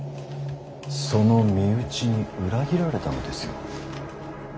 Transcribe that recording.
その身内に裏切られたのですよ。